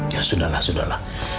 ya sudah lah sudah lah